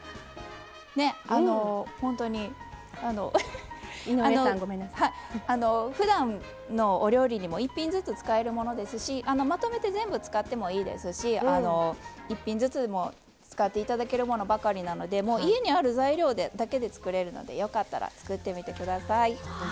ねえほんとにふだんのお料理にも１品ずつ使えるものですしまとめて全部使ってもいいですし１品ずつも使って頂けるものばかりなので家にある材料だけで作れるのでよかったら作ってみてください。